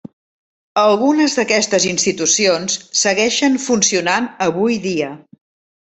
Algunes d'aquestes institucions segueixen funcionant avui dia.